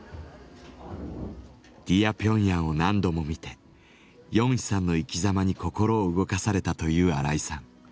「ディア・ピョンヤン」を何度も見てヨンヒさんの生きざまに心を動かされたという荒井さん。